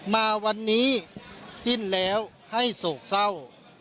มาวันนี้สิ้นแล้วให้โศกเศร้า